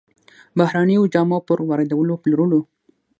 بهرنيو جامو پر واردولو او پلورلو